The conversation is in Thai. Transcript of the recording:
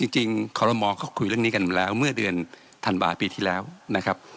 คอรมอลเขาคุยเรื่องนี้กันมาแล้วเมื่อเดือนธันวาปีที่แล้วนะครับ